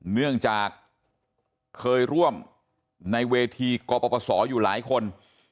เนื่องจากเคยร่วมในเวทีกปศอยู่หลายคน